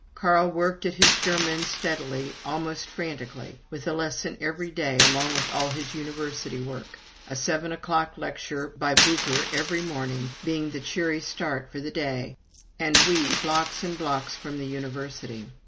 Carl worked at his German steadily, almost frantically, with a lesson every day along with all his university work a seven o'clock lecture by Bücher every morning being the cheery start for the day, and we blocks and blocks from the University.